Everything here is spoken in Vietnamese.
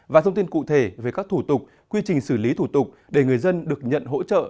và thông tin cụ thể về các thủ tục quy trình xử lý thủ tục để người dân được nhận hỗ trợ